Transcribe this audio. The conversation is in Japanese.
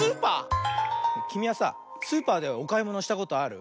きみはさスーパーでおかいものしたことある？